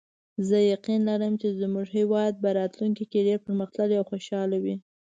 زه یقین لرم چې زموږ هیواد به راتلونکي کې ډېر پرمختللی او خوشحاله وي